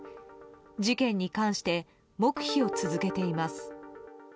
事件に関して黙秘を続けています。